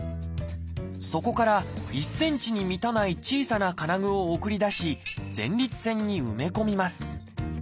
そこから１ｃｍに満たない小さな金具を送り出し前立腺に埋め込みます。